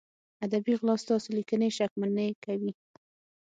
ادبي غلا ستاسو لیکنې شکمنې کوي.